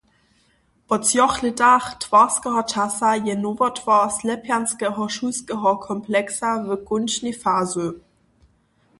Po třoch lětach twarskeho časa je nowotwar Slepjanskeho šulskeho kompleksa w kónčnej fazy.